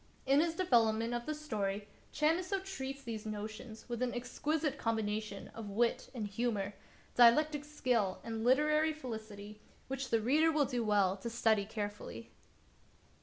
In his development of the story Chamisso treats these notions with an exquisite combination of wit and humor, dialectic skill and literary felicity, which the reader will do well to study carefully.